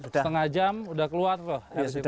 setengah jam udah keluar tuh